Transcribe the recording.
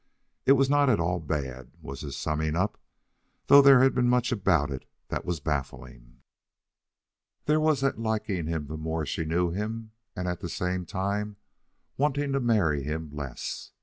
It was not at all bad, was his summing up, though there was much about it that was baffling. There was that liking him the more she knew him and at the same time wanting to marry him less.